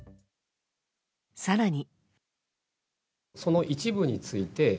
更に。